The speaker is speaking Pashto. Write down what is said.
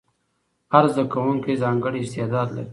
هر زده کوونکی ځانګړی استعداد لري.